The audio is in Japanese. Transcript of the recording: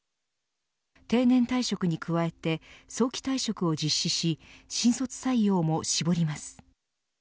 定年退職に加えて早期退職を実施し新卒採用も絞ります。